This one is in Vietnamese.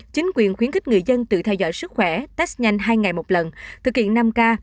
chính quyền khuyến khích người dân tự theo dõi sức khỏe test nhanh hai ngày một lần thực hiện năm k